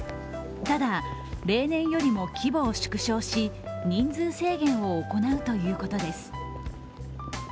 ただ、例年よりも規模を縮小し人数制限を行うということです。